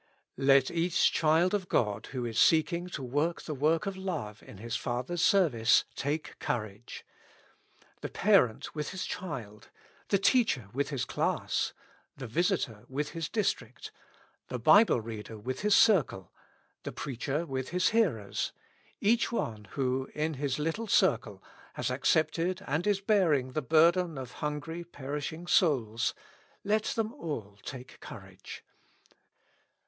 Let each child of God who is seeking to work the work of love in his Father's service take courage. The parent with his child, the teacher with his class, the visitor with his district, the Bible reader with his circle, the preacher with his hearers, each one who, in in his little circle, has accepted and is bearing the burden of hungry, perishing souls,— let them all take courage.